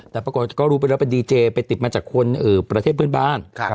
แต่ปรากฏก็รู้ไปแล้วเป็นดีเจไปติดมาจากคนประเทศเพื่อนบ้าน